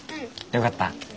よかった。